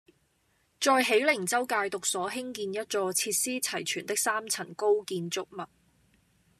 在喜靈州戒毒所興建一座設施齊全的三層高建築物